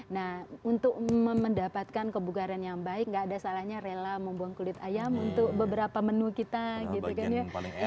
nah untuk mendapatkan kebugaran yang baik nggak ada salahnya rela membuang kulit ayam untuk beberapa menu kita gitu kan ya